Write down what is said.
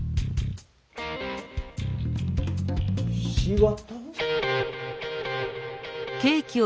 ひし形？